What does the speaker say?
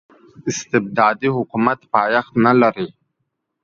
استبدادي حکومت پایښت نلري.